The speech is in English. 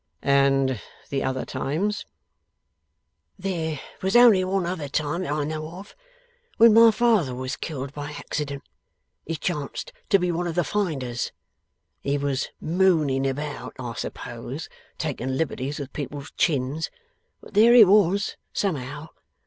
'And the other times?' 'There was only one other time that I know of. When my father was killed by accident, he chanced to be one of the finders. He was mooning about, I suppose, taking liberties with people's chins; but there he was, somehow.